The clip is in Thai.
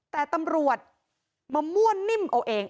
แต่ตำรวจมามั่วนิ่มเอาเอง